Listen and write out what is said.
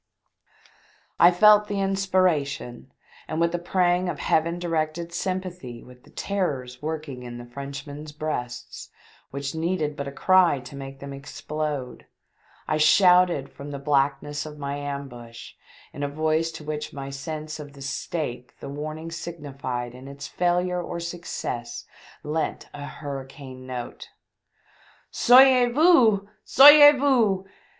I felt the inspiration, and, with a pang of Heaven directed sympathy with the terrors THE DEATH SHIT IS EOARDED BY A PIRATE. o/ working in the Frenchmen's breasts, which needed but a cry to make them explode, I shouted from the blackness of my ambush, in a voice to which my sense of the stake the warning signified in its failure or success, lent a hurricane note: '" Smivez vo2ts ! Sauvez voMS !